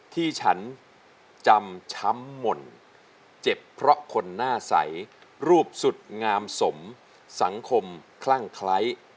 ที่ฉันจำช้ำหม่นเจ็บเพราะคนหน้าใสรูปสุดงามสมสังคมคลั่งไคร้